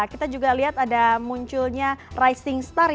kita juga lihat ada munculnya rising star ya